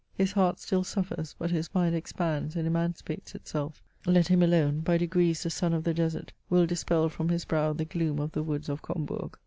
His heart still suffers, but his mind expands and emancipates itself. Let him alone ; by degrees the sun of the desert will dispel from his brow the gloom of the woods of Combourg.